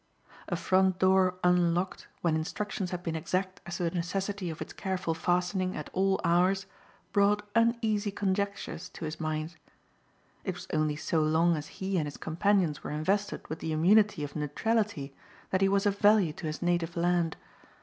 A front door unlocked when instructions had been exact as to the necessity of its careful fastening at all hours, brought uneasy conjectures to his mind. It was only so long as he and his companions were invested with the immunity of neutrality that he was of value to his native land.